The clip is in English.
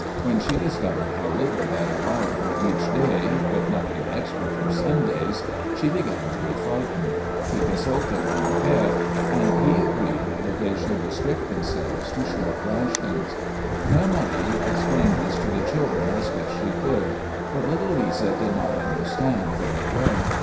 When she discovered how little that allowed for each day, with nothing extra for Sundays, she began to be frightened. She consulted Gran'père, and he agreed that they should restrict themselves to short rations. Mère Marie explained this to the children as best she could, but little Lisa did not understand very well.